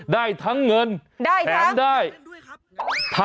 ได้ทั้งเงินแถมได้ครับ